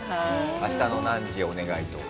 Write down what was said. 「明日の何時お願い」とか。